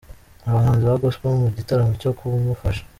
Abahanzi ba Gospel mu gitaramo cyo kumufasha.